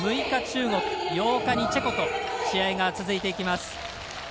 ６日中国、８日にチェコと試合が続いていきます。